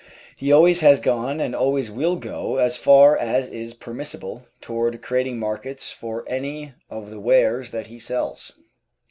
He always has gone and always will go as far as is permissible toward creating markets for any of the wares that he sells.